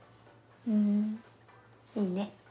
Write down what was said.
ふんいいね。